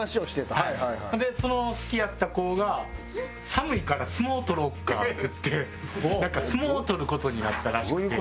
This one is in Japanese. それでその好きやった子が「寒いから相撲とろうか」って言ってなんか相撲をとる事になったらしくて。